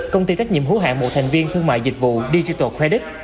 công ty trách nhiệm hứa hạng mộ thành viên thương mại dịch vụ digital credit